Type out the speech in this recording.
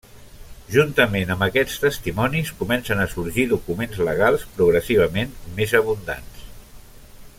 Juntament amb aquests testimonis comencen a sorgir documents legals progressivament més abundants.